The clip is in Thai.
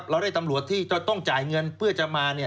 เราได้ตำรวจที่ต้องจ่ายเงินเพื่อจะมาเนี่ย